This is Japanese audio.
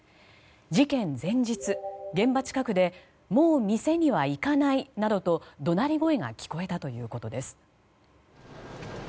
事件前日、現場近くでもう店には行かないなどと怒鳴り声が聞こえたということです。